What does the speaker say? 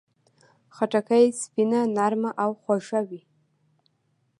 خټکی سپینه، نرمه او خوږه وي.